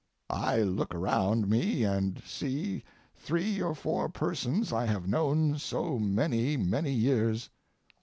I look around me and I see three or four persons I have known so many, many years.